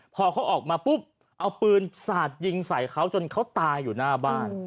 พอเขาออกมาปุ๊บเอาปืนสาดยิงใส่เขาจนเขาตายอยู่หน้าบ้าน